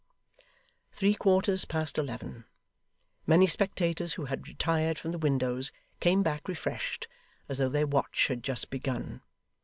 Three quarters past eleven! Many spectators who had retired from the windows, came back refreshed, as though their watch had just begun.